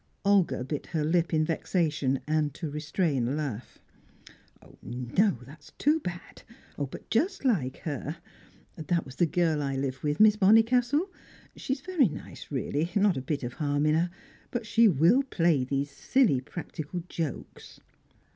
Olga bit her lip in vexation, and to restrain a laugh. "No, that's too bad! But just like her. That was the girl I live with Miss Bonnicastle. She's very nice really not a bit of harm in her; but she will play these silly practical jokes."